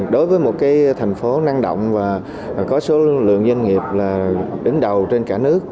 đối với một thành phố năng động và có số lượng doanh nghiệp đứng đầu trên cả nước